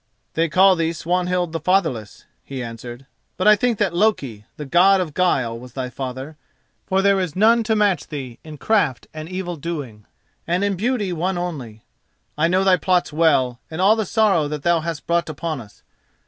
"They call thee Swanhild the Fatherless," he answered, "but I think that Loki, the God of Guile, was thy father, for there is none to match thee in craft and evil doing, and in beauty one only. I know thy plots well and all the sorrow that thou hast brought upon us.